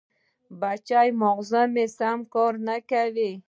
بچیه! ماغزه مې سم کار نه کوي.